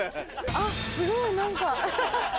あっすごい何か。